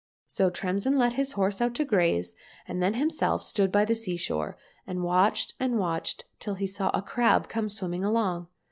"— So Tremsin let his horse out to graze, and he himself stood by the sea shore, and watched and watched till he saw a crab come swimming along.